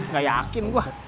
gak yakin gua